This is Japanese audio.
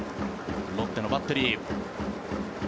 ロッテのバッテリー。